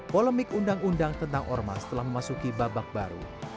polemik undang undang tentang ormas telah memasuki babak baru